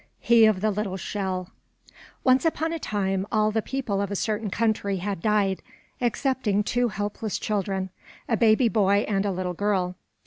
HE OF THE LITTLE SHELL |ONCE upon a time, all the people of a certain country had died, excepting two helpless children, a baby boy and a little girl.